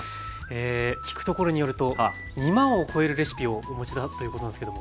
え聞くところによると２万を超えるレシピをお持ちだということなんですけども。